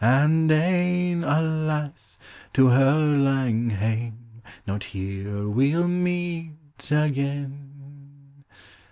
And aue, alas! to her laug haine: Not here we '11 meet again.